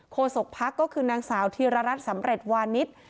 โคศกพักก็คือนางสาวทีระรัตสำเร็จวานิด